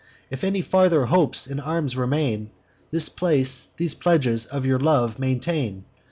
If any farther hopes in arms remain, This place, these pledges of your love, maintain.